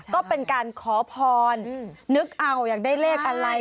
ก็เป็นการขอพรนึกเอาอยากได้เลขอะไร